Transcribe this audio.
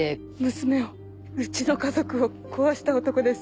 娘をうちの家族を壊した男です。